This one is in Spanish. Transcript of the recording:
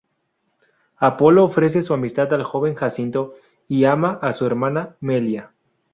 Apolo ofrece su amistad al joven Jacinto y ama a su hermana, Melia.